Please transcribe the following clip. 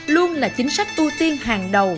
luôn là chính sách ưu tiên hàng đầu